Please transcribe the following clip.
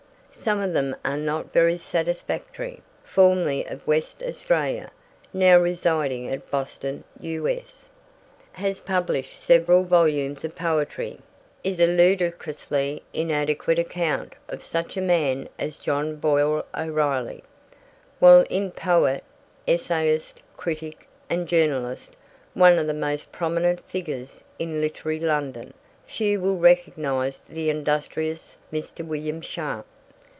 Some of them are not very satisfactory. 'Formerly of West Australia, now residing at Boston, U.S. Has published several volumes of poetry,' is a ludicrously inadequate account of such a man as John Boyle O'Reilly, while in 'poet, essayist, critic, and journalist, one of the most prominent figures in literary London,' few will recognise the industrious Mr. William Sharp.